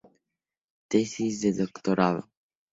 Tesis de Doctorado.